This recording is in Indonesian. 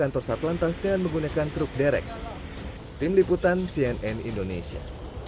tim liputan cnn indonesia